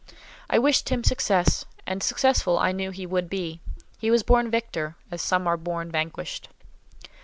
I wished him success; and successful I knew he would be. He was born victor, as some are born vanquished.